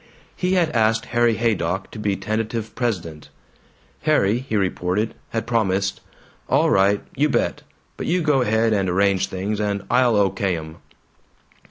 He had asked Harry Haydock to be tentative president. Harry, he reported, had promised, "All right. You bet. But you go ahead and arrange things, and I'll O.K. 'em."